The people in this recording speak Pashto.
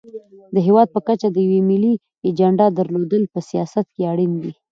د هېواد په کچه د یوې ملي اجنډا درلودل په سیاست کې اړین دي.